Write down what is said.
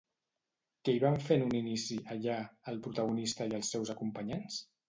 Què hi van fer en un inici, allà, el protagonista i els seus acompanyants?